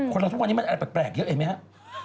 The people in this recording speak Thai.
คนเราทุกวันนี้มันแบบแปลกเยอะเห็นไหมฮะ